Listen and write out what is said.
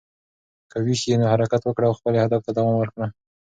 که ویښ یې، نو حرکت وکړه او خپلې هدف ته دوام ورکړه.